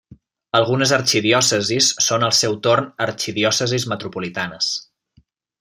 Algunes arxidiòcesis són al seu torn arxidiòcesis metropolitanes.